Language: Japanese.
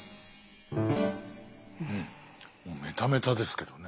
もうメタメタですけどね。